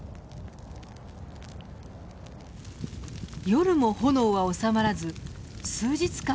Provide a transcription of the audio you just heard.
夜も炎は収まらず数日間